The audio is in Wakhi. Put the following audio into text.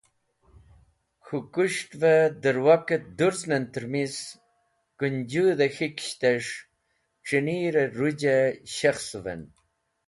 K̃hũ kis̃ht’v e dẽrwak et dũrzn en trẽmis, Kũnjũdh-e K̃hikishtes̃h C̃hinir-e rũj shekhsũven.